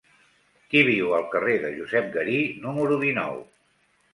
Qui viu al carrer de Josep Garí número dinou?